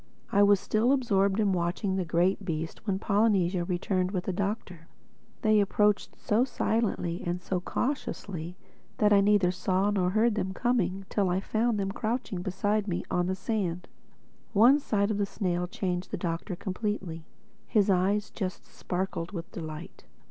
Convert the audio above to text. I was still absorbed in watching the great beast when Polynesia returned with the Doctor. They approached so silently and so cautiously that I neither saw nor heard them coming till I found them crouching beside me on the sand. One sight of the snail changed the Doctor completely. His eyes just sparkled with delight.